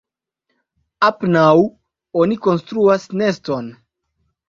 Apenaŭ oni konstruas neston.